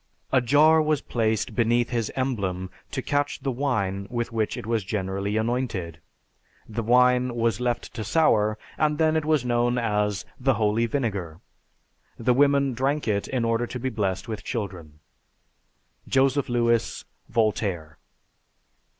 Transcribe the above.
A jar was placed beneath his emblem to catch the wine with which it was generally anointed; the wine was left to sour, and then it was known as the 'Holy Vinegar.' The women drank it in order to be blessed with children." (_Joseph Lewis, "Voltaire."